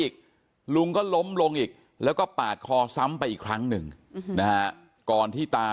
อีกลุงก็ล้มลงอีกแล้วก็ปาดคอซ้ำไปอีกครั้งหนึ่งนะฮะก่อนที่ตา